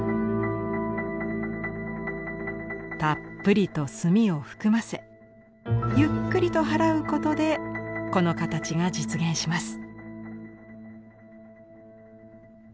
たっぷりと墨を含ませゆっくりと払うことでこの形が実現します。